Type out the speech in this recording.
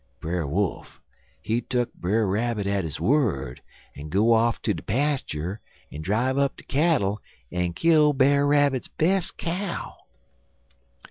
Brer Wolf, he tuck Brer Rabbit at his word, en go off ter de pastur' en drive up de cattle en kill Brer Rabbit bes' cow.